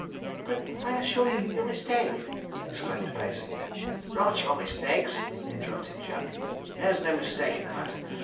'But, I assure you, you mistake!' exclaimed Pacey. 'Rot your mistakes!' interrupted Jack; 'there's no mistake in the matter.